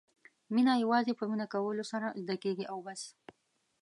مینه یوازې په مینه کولو سره زده کېږي او بس.